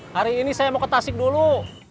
hari ini saya mau ke tasik dulu